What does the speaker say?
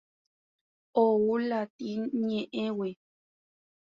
Ou latín ñe'ẽgui.